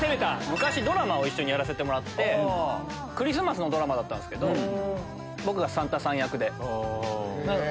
昔ドラマを一緒にやらせてもらってクリスマスのドラマだったんですけど僕がサンタさん役で。